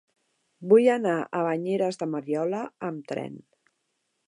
Vull anar a Banyeres de Mariola amb tren.